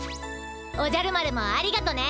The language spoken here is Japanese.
おじゃる丸もありがとね。